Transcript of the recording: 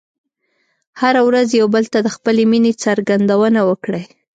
هره ورځ یو بل ته د خپلې مینې څرګندونه وکړئ.